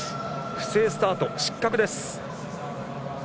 不正スタート、失格です。